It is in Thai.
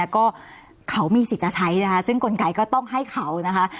ก็เขามีสิทธิ์จะใช้นะคะซึ่งกลไกก็ต้องให้เขานะคะ